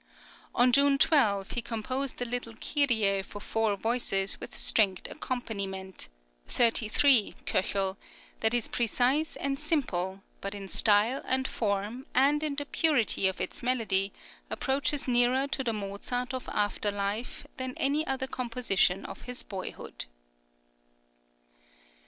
On June 12, he composed a little Kyrie for four voices with stringed accompaniment (33, K), that is precise and simple, but in style and form, and in the purity of its melody, approaches nearer to the Mozart of after life than any other composition of his boyhood.